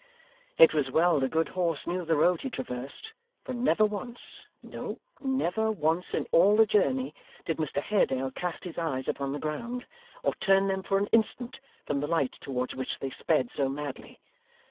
It was well the good horse knew the road he traversed, for never once no, never once in all the journey did Mr Haredale cast his eyes upon the ground, or turn them, for an instant, from the light towards which they sped so madly.